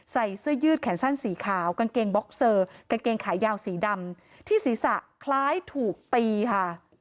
เสื้อยืดแขนสั้นสีขาวกางเกงบ็อกเซอร์กางเกงขายาวสีดำที่ศีรษะคล้ายถูกตีค่ะ